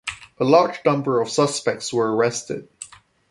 A large number of suspects were arrested.